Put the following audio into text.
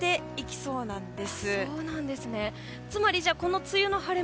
そうなんです。